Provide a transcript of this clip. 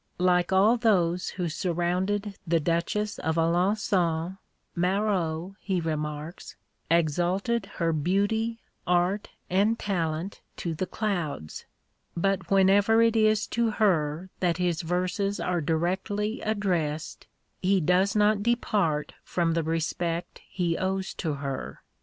Like all those who surrounded the Duchess of Alençon, Marot, he remarks, exalted her beauty, art, and talent to the clouds; but whenever it is to her that his verses are directly addressed, he does not depart from the respect he owes to her.